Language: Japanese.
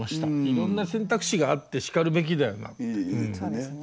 いろんな選択肢があってしかるべきだよなって。